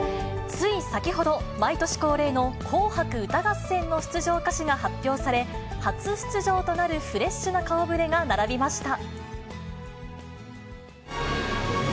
つい先ほど、毎年恒例の紅白歌合戦の出場歌手が発表され、初出場となるフレッシュな顔ぶれが並びました。